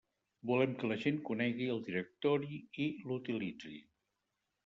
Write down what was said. Volem que la gent conegui el directori i l'utilitzi.